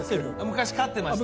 昔飼ってました